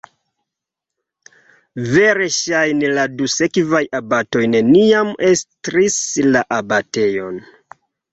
Verŝajne la du sekvaj abatoj neniam estris la abatejon.